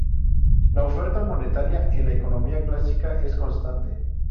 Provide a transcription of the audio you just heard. La oferta monetaria en la economía clásica es constante.